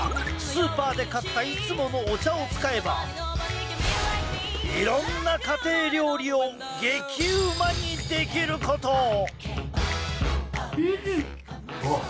スーパーで買ったいつものお茶を使えばいろんな家庭料理を激うまにできることを。